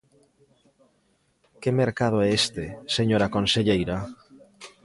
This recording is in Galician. ¿Que mercado é este, señora conselleira?